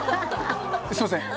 すみません。